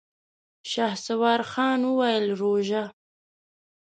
شهسوار خان وويل: روژه؟!